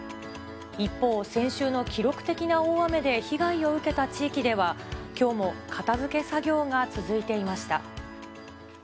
一方、先週の記録的な大雨で被害を受けた地域では、きょうも片づけ作業が続いていました。